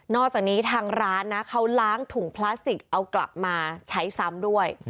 อกจากนี้ทางร้านนะเขาล้างถุงพลาสติกเอากลับมาใช้ซ้ำด้วย